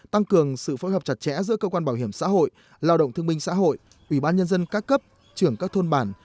tăng cường sự phối hợp chặt chẽ giữa cơ quan bảo hiểm xã hội lao động thương minh xã hội ủy ban nhân dân các cấp trưởng các thôn bản